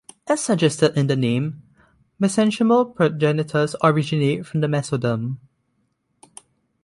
As suggested in the name, mesenchymal progenitors originate from the mesoderm.